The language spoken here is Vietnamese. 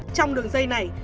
trong đường dây này